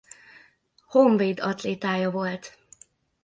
Honvéd atlétája volt.